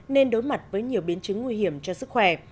nên đối mặt với nhiều biến chứng nguy hiểm cho sức khỏe